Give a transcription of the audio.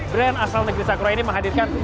brand asal negeri sakura ini menghadirkan